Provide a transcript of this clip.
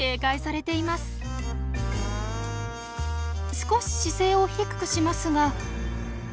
少し姿勢を低くしますが。